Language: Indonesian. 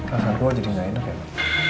akhirnya gue jadi gak enak ya